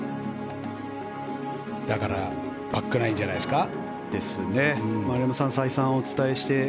だからバックナインじゃないですか？